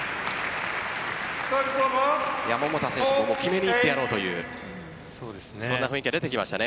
桃田選手も決めに行ってやろうというそんな雰囲気が出てきましたね。